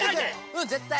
うんぜったい！